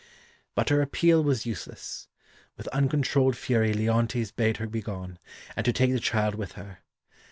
But her appeal was useless. With uncontrolled fury Leontes bade her be gone, and to take the child with her.